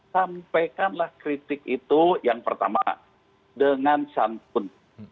sampaikanlah kritik itu yang pertama dengan santun